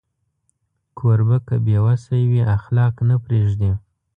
کوربه که بې وسی وي، اخلاق نه پرېږدي.